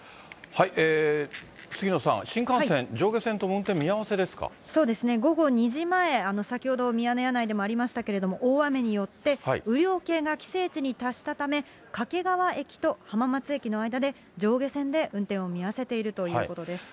杉野さん、新幹線、そうですね、午後２時前、先ほどミヤネ屋内でもありましたけれども、大雨によって雨量計が規制値に達したため、掛川駅と浜松駅の間で、上下線で運転を見合わせているということです。